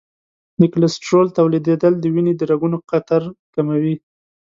د کلسترول تولیدېدل د وینې د رګونو قطر کموي.